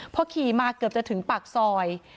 พอขี่มาเกือบจะถึงปากซอย